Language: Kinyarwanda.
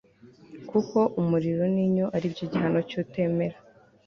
kuko umuriro n'inyo ari byo gihano cy'utemera